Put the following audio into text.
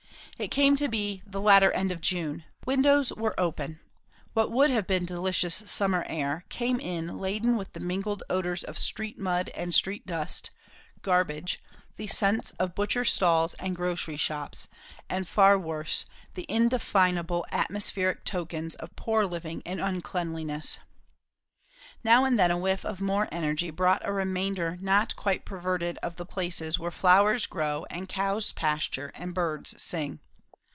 It came to be the latter end of June. Windows were open; what would have been delicious summer air came in laden with the mingled odours of street mud and street dust, garbage, the scents of butcher stalls and grocery shops, and far worse, the indefinable atmospheric tokens of poor living and uncleanness. Now and then a whiff of more energy brought a reminder not quite perverted of the places where flowers grow and cows pasture and birds sing.